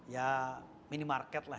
ya minimarket lah